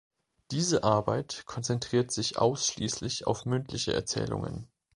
Diese Arbeit konzentriert sich ausschließlich auf mündliche Erzählungen.